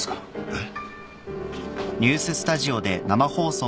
えっ？